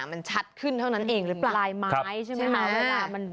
มันชัดขึ้นเท่านั้นเองเลยป่ะมาใช่มั้ยอ่ะ